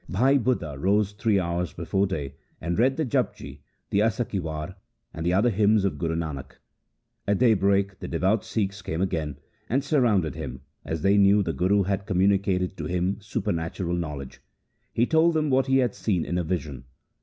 Bhai Budha rose three hours before day and read the Japji, the Asa ki War, and other hymns of Guru Nanak. At daybreak the devout Sikhs came again and surrounded him, as they knew the Guru had communicated to him supernatural knowledge. He told them what he had seen in a vision.